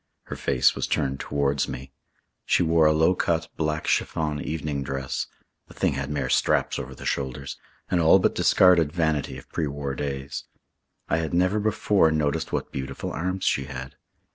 Her face was turned towards me. She wore a low cut black chiffon evening dress the thing had mere straps over the shoulders an all but discarded vanity of pre war days. I had never before noticed what beautiful arms she had.